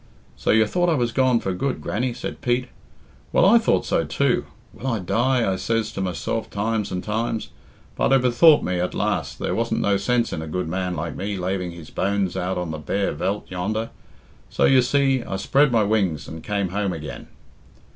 "So you thought I was gone for good, Grannie?" said Pete. "Well, I thought so too. 'Will I die?' I says to myself times and times; but I bethought me at last there wasn't no sense in a good man like me laving his bones out on the bare Veldt yonder; so, you see, I spread my wings and came home again."